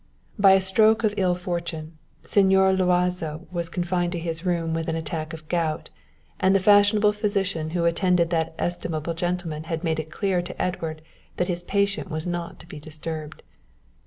By a stroke of ill fortune Señor Luazo was confined to his room with an attack of gout, and the fashionable physician who attended that estimable gentleman had made it clear to Edward that his patient was not to be disturbed.